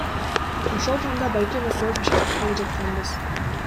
Ошол таңда байкем экөөбүз Бишкекке келе жатканбыз.